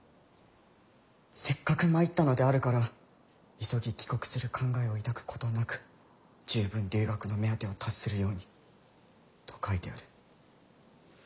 せっかく参ったのであるから急ぎ帰国する考えを抱くことなく十分留学の目当てを達するように」と書いてある。